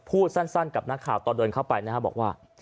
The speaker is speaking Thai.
พูดสั้นกับนักข่าวตอนเดินเข้าไปนะครับบอกว่า